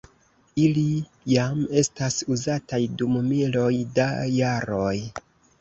Ili jam estas uzataj dum miloj da jaroj.